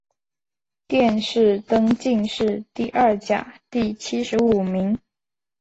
殿试登进士第二甲第七十五名。